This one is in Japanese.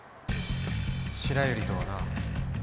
白百合とはな。